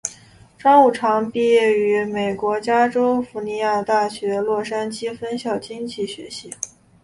张五常毕业于美国加利福尼亚大学洛杉矶分校经济学系。